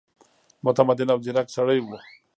متمدن او ځیرک سړی وو.